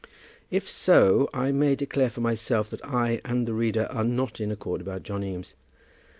If so, I may declare for myself that I and the reader are not in accord about John Eames.